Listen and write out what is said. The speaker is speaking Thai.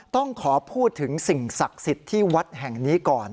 ต้องขอพูดถึงสิ่งศักดิ์สิทธิ์ที่วัดแห่งนี้ก่อน